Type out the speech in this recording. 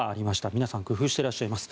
皆さん工夫してらっしゃいます。